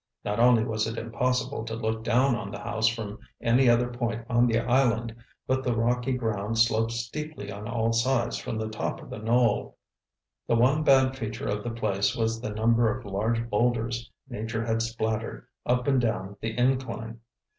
Not only was it impossible to look down on the house from any other point on the island, but the rocky ground sloped steeply on all sides from the top of the knoll. The one bad feature of the place was the number of large boulders nature had splattered up and down the incline.